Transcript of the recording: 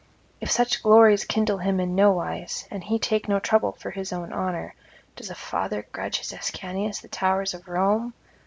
If such glories kindle him in nowise, and he take no trouble for his own honour, does a father grudge his Ascanius the towers of Rome?